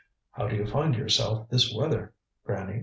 "How do you find yourself this weather, Granny?"